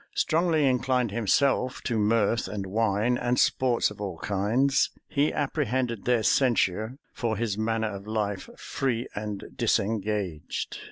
Strongly inclined himself to mirth, and wine, and sports of all kinds, he apprehended their censure for his manner of life, free and disengaged.